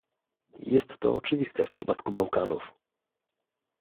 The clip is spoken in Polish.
Jest to oczywiste w przypadku Bałkanów